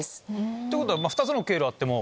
ってことは２つの経路あっても。